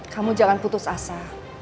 kamu jangan putus asa